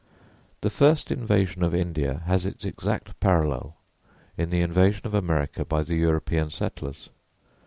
The first invasion of India has its exact parallel in the invasion of America by the European settlers.